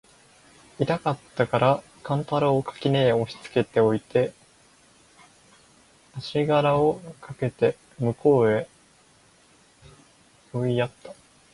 痛かつたから勘太郎を垣根へ押しつけて置いて、足搦あしがらをかけて向へ斃してやつた。